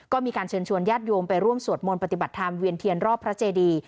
ก็มีการเชิญชวนญาติโยมไปร่วมสวดมนต์ปฏิบัติธรรมเวียนเทียนรอบพระเจดี